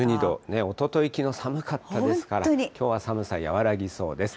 おととい、きのう、寒かったですから、きょうは寒さ和らぎそうです。